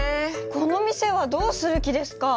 この店はどうする気ですか？